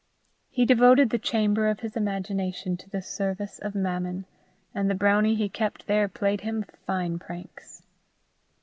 He devoted the chamber of his imagination to the service of Mammon, and the brownie he kept there played him fine pranks.